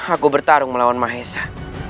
aku bertarung melawan mahesa